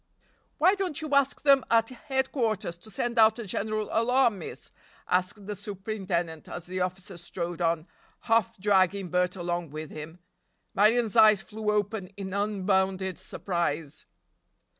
"Why don't you ask them at headquarters to send out a general alarm, miss?" asked the superintendent as the officer strode on, half dragging Bert along with him. Marion's eyes flew open in unbounded surprise.